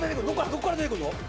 どこから出てくるの？